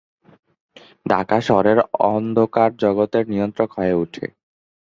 ঢাকা শহরের অন্ধকার জগতের নিয়ন্ত্রক হয়ে ওঠে।